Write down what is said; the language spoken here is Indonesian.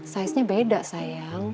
saiznya beda sayang